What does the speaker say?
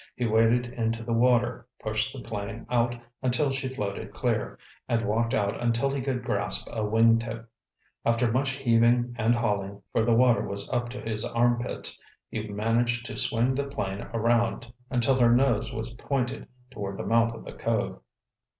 He waded into the water, pushed the plane out until she floated clear, and walked out until he could grasp a wing tip. After much heaving and hauling, for the water was up to his armpits, he managed to swing the plane around until her nose was pointed toward the mouth of the cove.